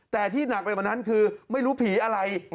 แต่ที่หนักไปกว่านั้นคือไม่รู้ผีอะไร